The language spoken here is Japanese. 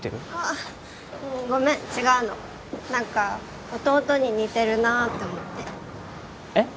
あごめん違うの何か弟に似てるなって思ってえっ？